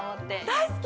大好き！